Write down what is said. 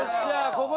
ここ？